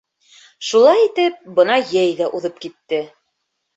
Шулай итеп, бына йәй ҙә уҙып китте.